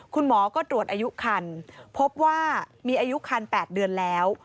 คุณหมอก็ตรวจอายุคันพบว่ามีอายุคัน๘เดือนแล้ว